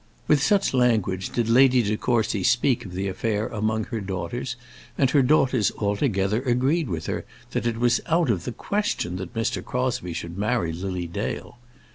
With such language did Lady De Courcy speak of the affair among her daughters, and her daughters altogether agreed with her that it was out of the question that Mr. Crosbie should marry Lily Dale.